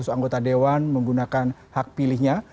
seratus anggota dewan menggunakan hak pilihnya